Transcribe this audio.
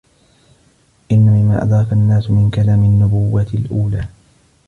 إنَّ مِمَّا أَدْرَكَ النَّاسَ مِنْ كَلَامِ النُّبُوَّةِ الْأُولَى